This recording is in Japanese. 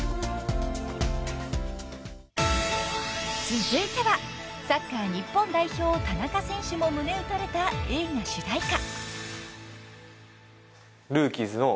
［続いてはサッカー日本代表田中選手も胸打たれた映画主題歌］